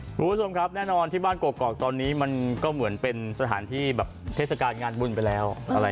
คุณผู้ชมครับแน่นอนที่บ้านกอกตอนนี้มันก็เหมือนเป็นสถานที่แบบเทศกาลงานบุญไปแล้ว